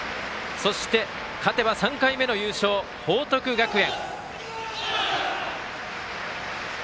そして、勝てば３回目の優勝報徳学園。